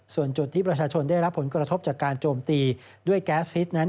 ส่วนจุดที่ประชาชนได้รับผลกระทบจากการโจมตีด้วยแก๊สฮิตนั้น